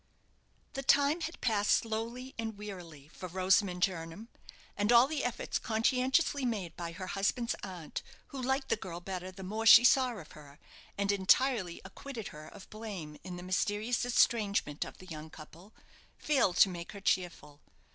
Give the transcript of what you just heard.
The time had passed slowly and wearily for Rosamond Jernam, and all the efforts conscientiously made by her husband's aunt, who liked the girl better the more she saw of her, and entirely acquitted her of blame in the mysterious estrangement of the young couple, failed to make her cheerful.